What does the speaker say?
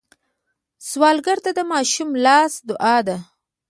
سوالګر ته د ماشوم لاس دعا ده